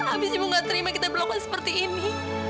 abis ibu gak terima kita berlaku seperti ini